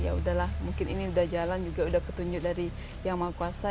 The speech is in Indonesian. ya udahlah mungkin ini udah jalan juga udah petunjuk dari yang maha kuasa